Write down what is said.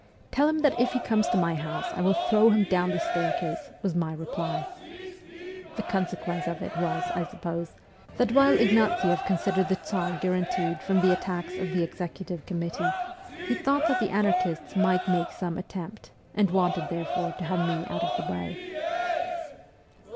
' Tell him that if he comes to my house I will throw him down the staircase,' was my reply. The consequence of it was, I suppose, that while Ignatieff considered the Tsar guaranteed from the attacks of the Executive Committee, he thought that the anarchists might make some attempt, and wanted therefore to have me out of the way.